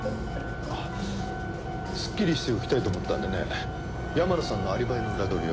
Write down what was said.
あっすっきりしておきたいと思ったんでね山野さんのアリバイの裏取りを。